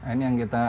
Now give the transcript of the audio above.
ini yang kita lihat